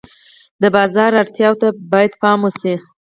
د بازار اړتیاوو ته باید پام وشي.